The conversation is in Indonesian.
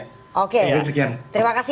terima kasih adam silahkan pak asul